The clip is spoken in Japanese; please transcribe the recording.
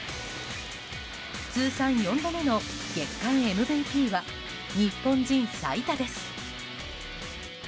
通算４度目の月間ＭＶＰは日本人最多です。